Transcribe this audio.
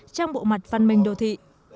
trong bộ mặt văn minh đồ thị